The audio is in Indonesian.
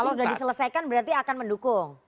kalau sudah diselesaikan berarti akan mendukung